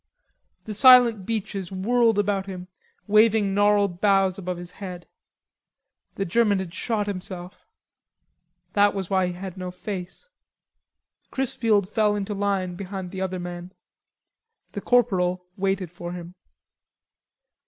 The silent beeches whirled about him, waving gnarled boughs above his head. The German had shot himself. That was why he had no face. Chrisfield fell into line behind the other men. The corporal waited for him.